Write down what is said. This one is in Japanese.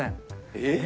えっ？